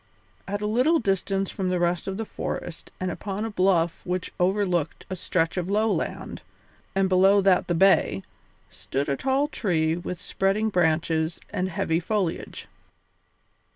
At a little distance from the rest of the forest and upon a bluff which overlooked a stretch of lowland, and beyond that the bay, stood a tall tree with spreading branches and heavy foliage.